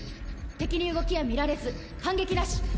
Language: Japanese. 敵に動きは見られず反撃なし。